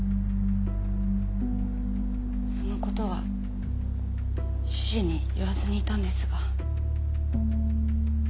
その事は主人に言わずにいたんですが。